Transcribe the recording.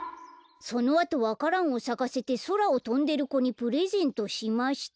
「そのあとわからんをさかせてそらをとんでる子にプレゼントしました」